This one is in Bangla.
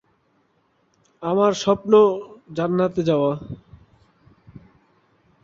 তবে এটির সাথে সোনার রাসায়নিক বৈশিষ্ট্যের কোন মিল আছে কি না, তা পরীক্ষা করে নিশ্চিত করা হয়নি।